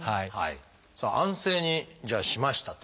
さあ安静にしましたと。